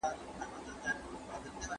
د ناول مرکزي کرکټر يو مشهور ډاکو و.